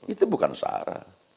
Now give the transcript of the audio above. itu bukan syarah